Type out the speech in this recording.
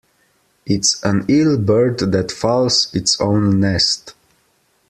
It's an ill bird that fouls its own nest.